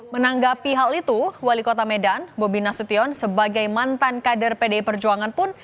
menanggapi hal itu wali kota medan bobi nasution sebagai mantan kader pdi perjuangan pun